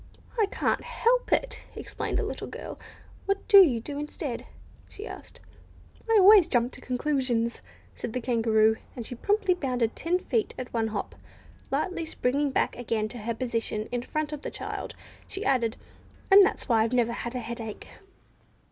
"I can't help it!" explained the little girl. "What do you do instead?" she asked. "I always jump to conclusions," said the Kangaroo, and she promptly bounded ten feet at one hop. Lightly springing back again to her position in front of the child, she added, "and that's why I never have a headache."